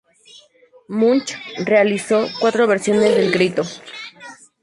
Munch realizó cuatro versiones de "El grito".